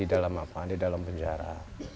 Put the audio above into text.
di dalam penjara